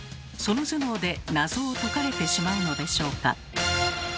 その頭脳で謎を解かれてしまうのでしょうか。